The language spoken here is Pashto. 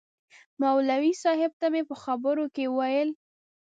مولوي صاحب ته مې په خبرو کې ویل.